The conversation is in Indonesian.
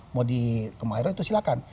mau di kemahiran itu silahkan